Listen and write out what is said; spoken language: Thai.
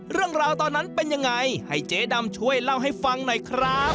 เรื่องราวตอนนั้นเป็นยังไงให้เจ๊ดำช่วยเล่าให้ฟังหน่อยครับ